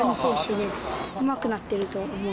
うまくなってると思う。